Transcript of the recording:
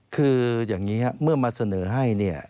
คืออย่างนี้ครับเมื่อมาเสนอให้เนี่ย